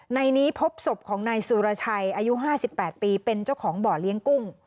ในนี้พบศพของนายสุรชัยอายุ๕๘ปีเป็นเจ้าของบ่อเลี้ยงกุ้ง